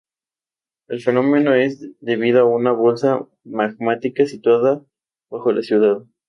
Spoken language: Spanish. El fenómeno es debido a una bolsa magmática situada bajo la ciudad.